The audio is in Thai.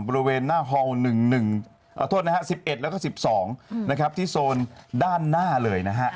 บริเวณหน้าฮอล์๑๑แล้วก็๑๒ที่โซนด้านหน้าเลยนะฮะ